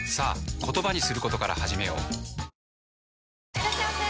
いらっしゃいませ！